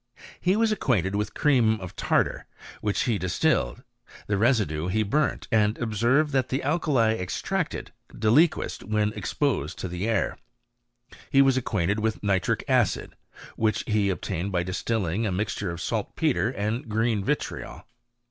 He was acquainted with cream of tartar, which h distilled : the residue he burnt, and observed that th alkali extracted deliquesced when exposed to the aii He was acquainted with nitric acid, which he ol tained by distilling a mixture of saltpetre and ^ee vitriol.